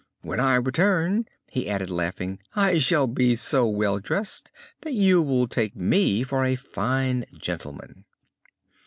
When I return," he added, laughing, "I shall be so well dressed that you will take me for a fine gentleman."